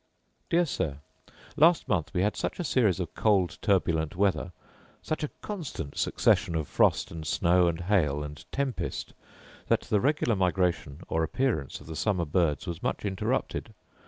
Dear Sir, Last month we had such a series of cold turbulent weather, such a constant succession of frost, and snow, and hail, and tempest, that the regular migration or appearance of the summer birds was much interrupted.